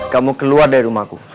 kamu keluar dari rumahku